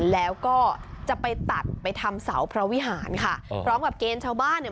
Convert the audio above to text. แล้วก็จะไปตัดไปทำเสาพระวิหารค่ะพร้อมกับเกณฑ์ชาวบ้านเนี่ย